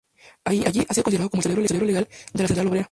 Allí ha sido considerado como el "cerebro legal de la central obrera".